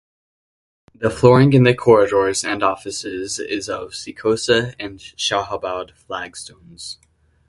The flooring in the corridors and offices is of Sikosa and Shahabad flag stones.